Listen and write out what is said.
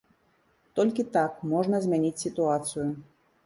Толькі так можна змяніць сітуацыю.